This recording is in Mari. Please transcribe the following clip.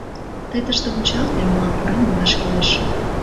— Тый тыште вучалте, мылам пурен ойлаш кӱлеш.